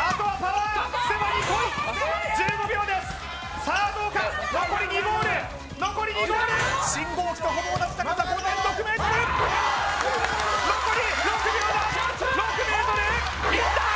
１５秒ですさあどうか残り２ゴール残り２ゴール信号機とほぼ同じ高さ５．６ｍ残り６秒だ６ｍいったー！